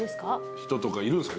人とかいるんすか？